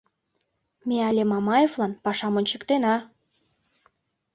— Ме але Мамаевлан пашам ончыктена!